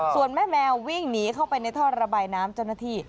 ส่วนแม่แมววิ่งหนีเข้าไปในท่อระบายน้ำเจ้าหน้าที่